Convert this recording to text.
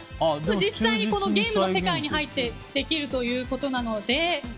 実際にゲームの世界に入ってできるということなので。